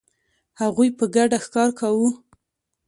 هغوی په ګډه ښکار کاوه.